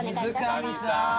水上さん。